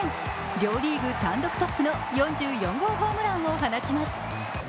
両リーグ単独トップの４４号ホームランを放ちます。